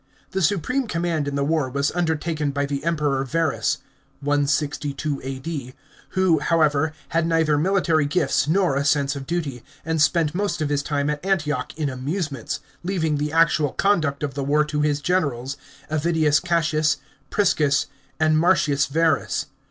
The supreme command in the war was undertaken by the Emperor Verus (162 A.D.), who, how ever, had neither military gifts nor a sense of duty, and spent most of his time at Antioch in amusements, leaving the actual conduct of the war to his generals, Avidius Cassius, Priscus and Martins Verus.